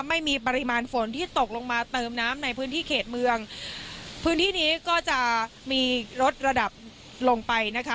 ไม่มีปริมาณฝนที่ตกลงมาเติมน้ำในพื้นที่เขตเมืองพื้นที่นี้ก็จะมีลดระดับลงไปนะคะ